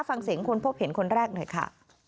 ฟังเสียงคนพบเห็นคนแรกหน่อยค่ะ